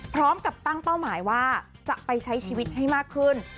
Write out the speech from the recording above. พร้อมกับตั้งเป้าหมายว่าจะไปใช้ชีวิตให้มากขึ้น